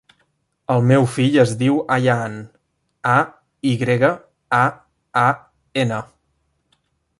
El meu fill es diu Ayaan: a, i grega, a, a, ena.